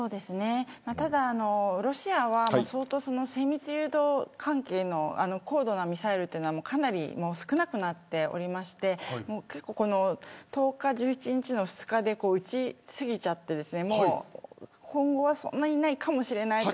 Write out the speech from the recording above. ただ、ロシアは精密誘導関係の高度なミサイルというのはかなり少なくなってきていまして１０日、１１日の２日で撃ち過ぎちゃって今後はそんなにないかもしれない。